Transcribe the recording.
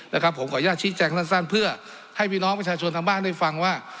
นะครับผมขออนุญาตชี้แจงสั้นเพื่อให้พี่น้องประชาชนทางบ้านได้ฟังว่า